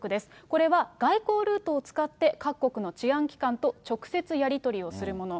これは外交ルートを使って、各国の治安機関と直接やり取りをするもの。